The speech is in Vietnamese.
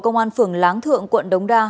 công an phường láng thượng quận đống đa